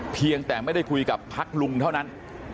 เพียงแต่ไม่ได้คุยกับพักลุงเท่านั้น